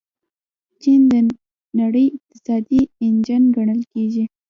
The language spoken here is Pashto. چین د نړۍ اقتصادي انجن ګڼل کیږي.